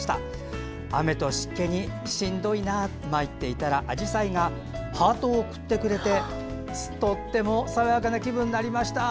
雨と湿気にしんどいなとまいっていたらアジサイがハートを贈ってくれてとても爽やかな気分になりました。